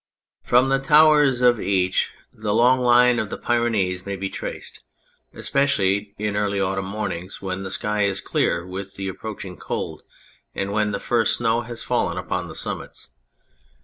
From the towers of each the 265 On Anything long line of the Pyrenees may be traced, especially in early autumn mornings when the sky is clear with the approaching cold and when the first snow has fallen upon the summits.